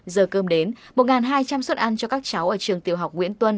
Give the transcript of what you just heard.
giờ cơm đến một hai trăm linh suất ăn cho các cháu ở trường tiểu học nguyễn tuân